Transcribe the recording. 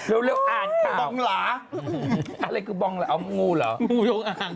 เอออ่านข่าวมันห่วงหน่อยก่อนนะครับดูดูดูมันห่วง